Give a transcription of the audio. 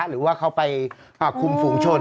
หรือว่าเขาไปคุมฝุงชน